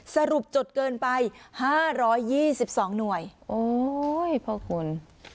สรุปจดเกินไปห้าร้อยยี่สิบสองหน่วยโอ้ยพระคุณ